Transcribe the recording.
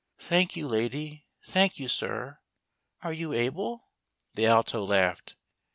" Thank you, lady. Thank you, sir. Are you able? " The Alto laughed.